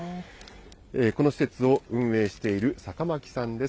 この施設を運営している酒巻さんです。